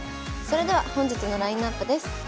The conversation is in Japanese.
それでは本日のラインナップです。